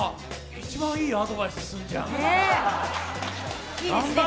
一番いいアドバイスすんじゃん！